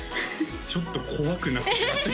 ちょっと怖くなってきました